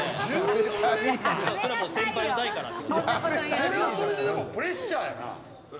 それはそれでプレッシャーやな。